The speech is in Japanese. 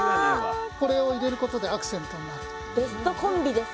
これを入れることでアクセントになる。